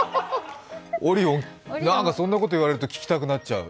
「ＯＲＩＯＮ」、そんなこと言われると聴きたくなっちゃう。